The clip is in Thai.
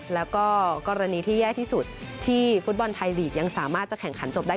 แล้วก็กรณีที่แย่ที่สุดที่ฟุตบอลไทยลีกยังสามารถจะแข่งขันจบได้